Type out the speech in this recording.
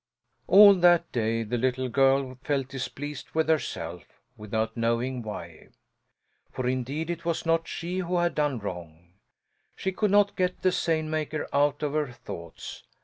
All that day the little girl felt displeased with herself, without knowing why. For indeed it was not she who had done wrong. She could not get the seine maker out of her thoughts.